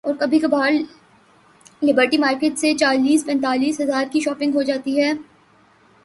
اورکبھی کبھار Liberty market سے چالیس پینتالیس ہزار کی شاپنگ ہو جاتی ہے۔